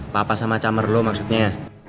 papa sama camer lo maksudnya